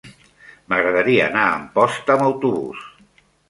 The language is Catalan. M'agradaria anar a Amposta amb autobús.